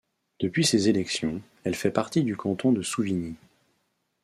Depuis ces élections, elle fait partie du canton de Souvigny.